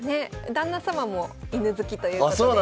旦那様も犬好きということで。